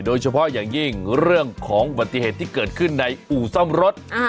โดยเฉพาะอย่างยิ่งเรื่องของอุบัติเหตุที่เกิดขึ้นในอู่ซ่อมรถ